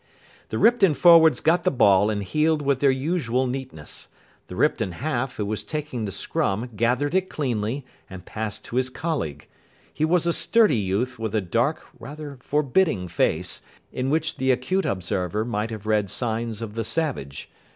The Ripton forwards got the ball, and heeled with their usual neatness. The Ripton half who was taking the scrum gathered it cleanly, and passed to his colleague. He was a sturdy youth with a dark, rather forbidding face, in which the acute observer might have read signs of the savage.